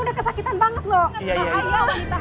udah kesakitan banget loh